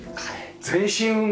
全身運動だ。